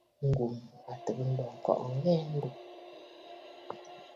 Ngum a tɨgə̀ ǹlo ŋkɔꞌɔ ŋghɛɛ a ndúgú.